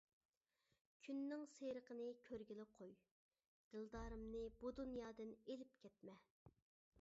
كۈننىڭ سېرىقىنى كۆرگىلى قوي، دىلدارىمنى بۇ دۇنيادىن ئېلىپ كەتمە!